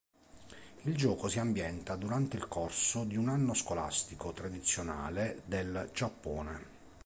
Il gioco si ambienta durante il corso di un anno scolastico tradizionale del Giappone.